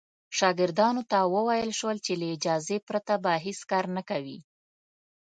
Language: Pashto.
شاګردانو ته وویل شول چې له اجازې پرته به هېڅ کار نه کوي.